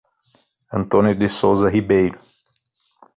Antônio de Souza Ribeiro